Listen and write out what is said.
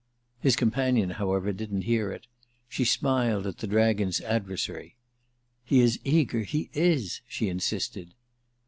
His companion, however, didn't hear it; she smiled at the dragon's adversary. "He is eager—he is!" she insisted.